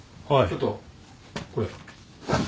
ちょっとこれ。